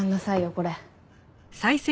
これ。